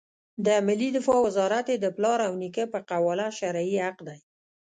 د ملي دفاع وزارت یې د پلار او نیکه په قواله شرعي حق دی.